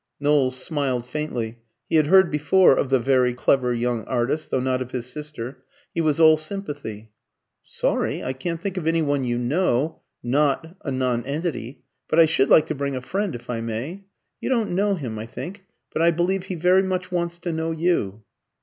Knowles smiled faintly: he had heard before of the very clever young artist (though not of his sister). He was all sympathy. "Sorry. I can't think of any one you know not a nonentity but I should like to bring a friend, if I may. You don't know him, I think, but I believe he very much wants to know you."